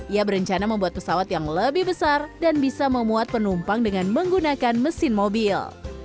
ia berencana membuat pesawat yang lebih besar dan bisa memuat penumpang dengan menggunakan mesin mobil